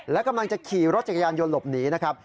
และกำลังจะขี่รถจักรยานยนต์หลบหนีนะครับ